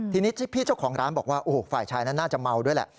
ทีนี้ที่พี่เจ้าของร้านบอกว่าโอ้โหฝ่ายชายนั้นน่าจะเมาด้วยแหละ